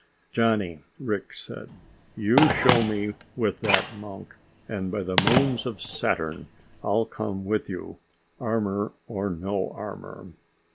"Johnny," Rick said, "you show me with that monk, and by the moons of Saturn, I'll come with you, armor or no armor!"